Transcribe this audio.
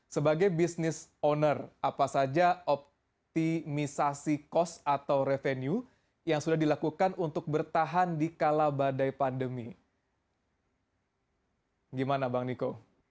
sebagai business owner apa saja optimisasi cost atau revenue yang sudah dilakukan untuk bertahan di kala badai pandemi gimana bang niko